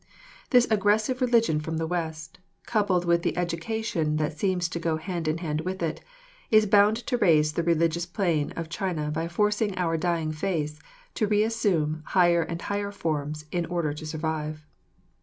This aggressive religion from the West, coupled with the education that seems to go hand in hand with it, is bound to raise the religious plane of China by forcing our dying faiths to reassume higher and higher forms in order to survive.